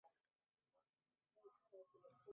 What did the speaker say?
属于由带广车站管理的无人车站。